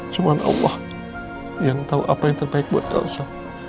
cuma allah yang tahu apa yang terbaik buat elsa